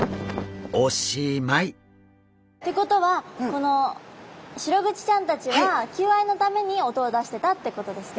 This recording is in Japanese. ってことはシログチちゃんたちは求愛のために音を出してたってことですね。